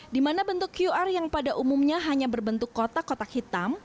di mana bentuk qr yang pada umumnya hanya berbentuk kotak kotak hitam